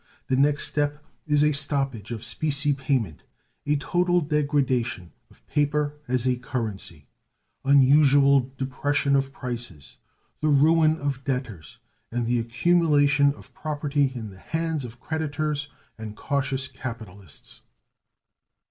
The next step is a stoppage of specie payment a total degradation of paper as a currency unusual depression of prices, the ruin of debtors, and the accumulation of property in the hands of creditors and cautious capitalists.